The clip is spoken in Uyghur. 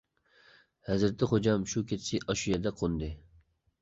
ھەزرىتى خوجام شۇ كېچىسى ئاشۇ يەردە قوندى.